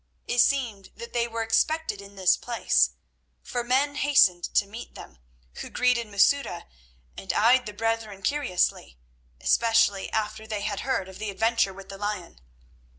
It seemed that they were expected in this place, for men hastened to meet them, who greeted Masouda and eyed the brethren curiously, especially after they had heard of the adventure with the lion.